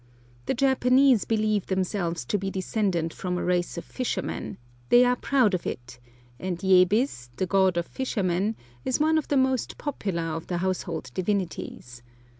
The Japanese believe themselves to be descended from a race of fishermen; they are proud of it, and Yebis, the god of fishermen, is one of the most popular of the household divinities.